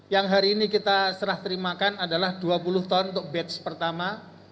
yang hari ini kita serah terimakan adalah dua puluh ton untuk batch pertama